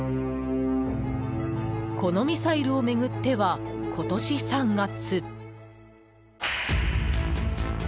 このミサイルを巡っては今年３月。